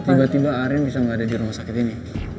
tiba tiba aryan bisa gak ada di rumah sakit ini